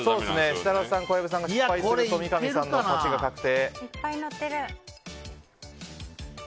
設楽さん、小籔さんが失敗すると三上さんの勝ちが確定。